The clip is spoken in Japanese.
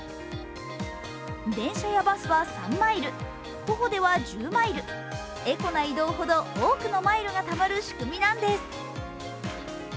電車やバスは３マイル、徒歩では１０マイル、エコな移動ほど多くのマイルがたまる仕組みなんです。